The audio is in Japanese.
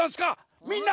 みんな。